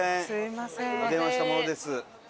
お電話した者です。